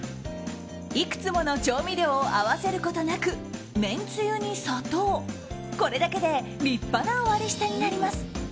いくつもの調味料を合わせることなくめんつゆに砂糖、これだけで立派な割り下になります。